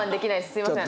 すいません。